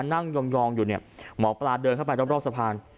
นั่งยองอยู่เนี่ยหมอปลาเดินเข้าไปรอบสะพาน